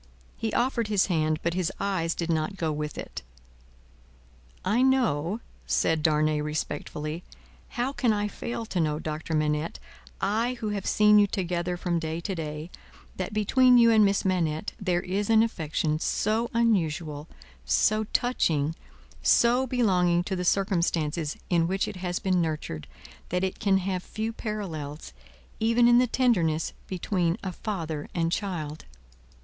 He offered his hand; but his eyes did not go with it. "I know," said Darnay, respectfully, "how can I fail to know, Doctor Manette, I who have seen you together from day to day, that between you and Miss Manette there is an affection so unusual, so touching, so belonging to the circumstances in which it has been nurtured, that it can have few parallels, even in the tenderness between a father and child.